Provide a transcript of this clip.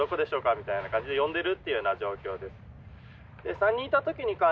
みたいな感じで呼んでいるというような状況です。